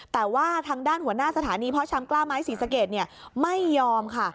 แต่ว่าทางด้านหัวหน้าสถานีพ่อชำกล้าไม้ศรีสะเกดไม่ยอมค่ะ